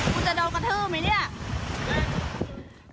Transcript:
คุณจะโดนกระทืบไหมเนี่ย